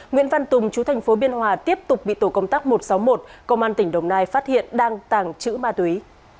nguyễn văn tùng chú thành phố biên hòa tiếp tục bị tổ công tác một trăm sáu mươi một công an tỉnh đồng nai phát hiện đang tàng trữ ma túy